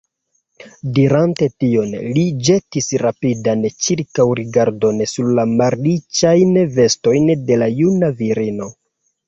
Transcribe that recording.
Dirante tion, li ĵetis rapidan ĉirkaŭrigardon sur la malriĉajn vestojn de la juna virino.